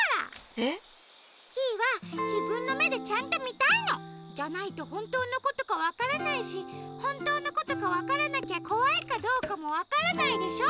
えっ？キイはじぶんのめでちゃんとみたいの！じゃないとほんとうのことかわからないしほんとうのことかわからなきゃこわいかどうかもわからないでしょ。